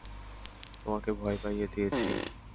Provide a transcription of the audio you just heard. তোমাকে ভয় পাইয়ে দিয়েছি?